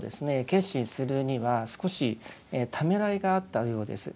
決心するには少しためらいがあったようです。